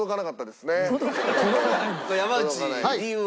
これ山内理由は？